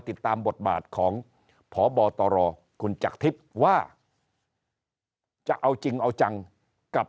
ติดตามบทบาทของพบตรคุณจักรทิพย์ว่าจะเอาจริงเอาจังกับ